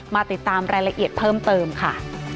มาติดตามรายละเอียดเพิ่มเติมค่ะ